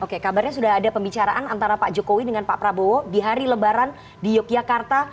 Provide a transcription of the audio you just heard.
oke kabarnya sudah ada pembicaraan antara pak jokowi dengan pak prabowo di hari lebaran di yogyakarta